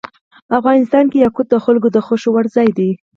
افغانستان کې یاقوت د خلکو د خوښې وړ ځای دی.